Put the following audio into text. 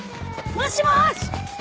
もしもし！